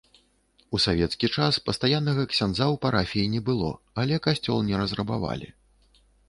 У савецкі час пастаяннага ксяндза ў парафіі не было, але касцёл не разрабавалі.